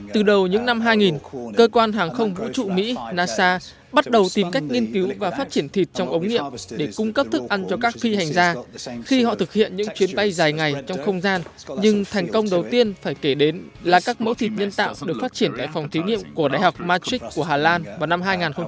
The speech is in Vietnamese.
từ đầu những năm hai nghìn cơ quan hàng không vũ trụ mỹ nasa bắt đầu tìm cách nghiên cứu và phát triển thịt trong ống nghiệm để cung cấp thức ăn cho các phi hành gia khi họ thực hiện những chuyến bay dài ngày trong không gian nhưng thành công đầu tiên phải kể đến là các mẫu thịt nhân tạo được phát triển tại phòng thí nghiệm của đại học matrix của hà lan vào năm hai nghìn một mươi